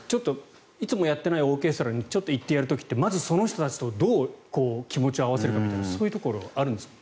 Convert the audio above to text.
いつもやっていないオーケストラにちょっと行ってやる時ってまずその人たちとどう気持ちを合わせるかみたいなそういうところはあるんですか？